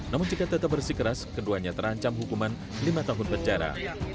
namun jika tetap bersikeras keduanya terancam hukuman lima tahun penjara